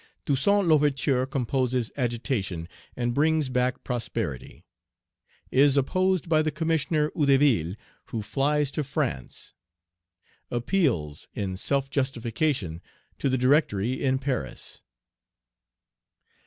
Toussaint L'Ouverture composes agitation, and brings back prosperity Is opposed by the Commissioner, Hédouville, who flies to France Appeals, in self justification, to the Directory in Paris.